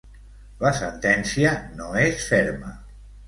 La sentència no és ferma.